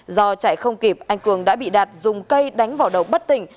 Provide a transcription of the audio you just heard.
do chạy không kịp anh cường đã bị đạt dùng cây đánh vào đầu bất tỉnh